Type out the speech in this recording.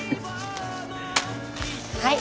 はい。